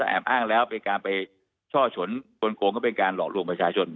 แอบอ้างแล้วเป็นการไปช่อฉนกลงก็เป็นการหลอกลวงประชาชน